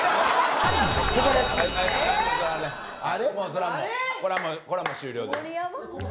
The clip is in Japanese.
それはもうこれはもう終了ですあれ？